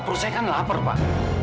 perut saya kan lapar pak